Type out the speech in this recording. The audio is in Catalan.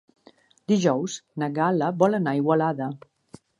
Dijous na Gal·la vol anar a Igualada.